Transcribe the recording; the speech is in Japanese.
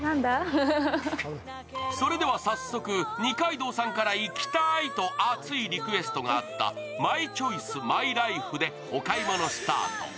それでは早速、二階堂さんから「行きたい」と熱いリクエストのあったＭＹＣＨＯＩＣＥＭＹＬＩＦＥでお買い物スタート。